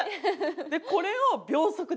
でこれを秒速でやんの。